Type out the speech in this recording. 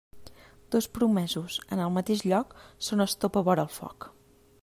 Dos promesos en el mateix lloc són estopa vora el foc.